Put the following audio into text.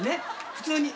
普通に。